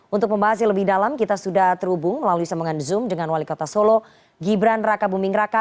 untuk pembahas yang lebih dalam kita sudah terhubung melalui sambungan zoom dengan wali kota solo gibran raka buming raka